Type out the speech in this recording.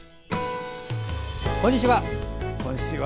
こんにちは。